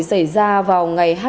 xảy ra vào ngày hai mươi sáu tháng ba